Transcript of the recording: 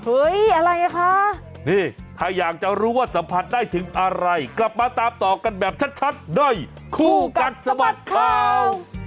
อะไรอ่ะคะนี่ถ้าอยากจะรู้ว่าสัมผัสได้ถึงอะไรกลับมาตามต่อกันแบบชัดด้วยคู่กัดสะบัดข่าว